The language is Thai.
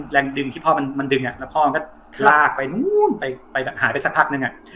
แรงดึงที่พ่อมันดึงแล้วพ่อมันก็ลากไปนู้นไปแบบหายไปสักพักนึง